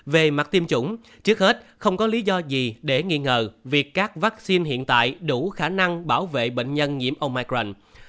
về mặt tiêm chủng trước hết không có lý do gì để nghi ngờ việc các vắc xin hiện tại đủ khả năng bảo vệ bệnh nhân nhiễm omicron